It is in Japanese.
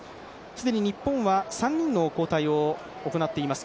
既に日本は３人の交代を行っています。